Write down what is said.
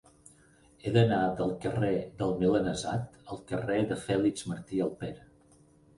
He d'anar del carrer del Milanesat al carrer de Fèlix Martí Alpera.